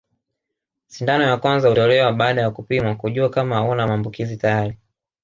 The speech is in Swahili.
Sindano ya kwanza hutolewa baada ya kupimwa kujua kama hauna maambukizi tayari